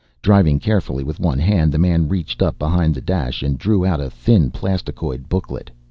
Driving carefully with one hand the man reached up behind the dash and drew out a thin, plastikoid booklet.